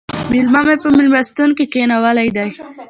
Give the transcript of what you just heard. مېلما مې په مېلمستون کې کښېناولی دی